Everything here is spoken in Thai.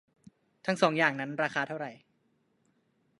ทั้งสองอย่างนั้น ราคาเท่าไหร ?